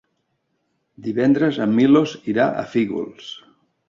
Divendres en Milos irà a Fígols.